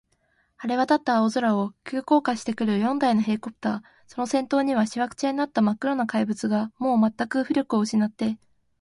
晴れわたった青空を、急降下してくる四台のヘリコプター、その先頭には、しわくちゃになったまっ黒な怪物が、もうまったく浮力をうしなって、